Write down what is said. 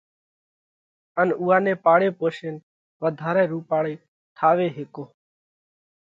ان اُوئا نئہ پاۯي پوشينَ وڌارئہ رُوپاۯئي ٺاوي ھيڪوھ۔